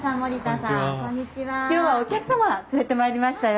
今日はお客様連れてまいりましたよ。